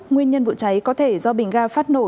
nguyên nhân vụ cháy có thể do bình ga phát nổ